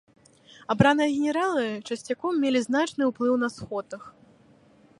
Абраныя генералы часцяком мелі значны ўплыў на сходах.